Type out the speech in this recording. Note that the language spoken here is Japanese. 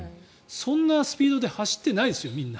そんなスピードで走ってないですよ、みんな。